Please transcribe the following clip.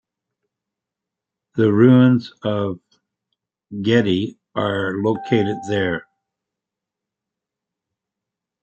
The Ruins of Gedi are located there.